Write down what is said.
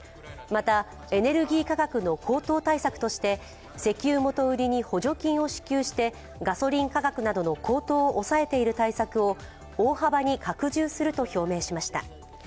また、エネルギー価格の高騰対策として、石油元売りに補助金を支給してガソリン価格などの高騰を抑えている対策を大幅に拡充すると表明しました。